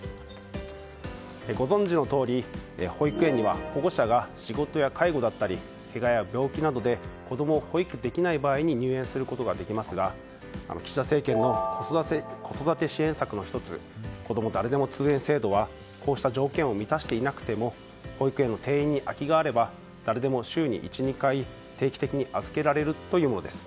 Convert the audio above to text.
ご存じのとおり保育園には保護者が、仕事や介護だったりけがや病気などで子供を保育できない場合に入園することができますが岸田政権の子育て支援策の１つこども誰でも通園制度はこうした条件を満たしていなくても保育園の定員に空きがあれば誰でも週に１２回定期的に預けられるということです。